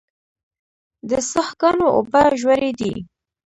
د څاه ګانو اوبه ژورې دي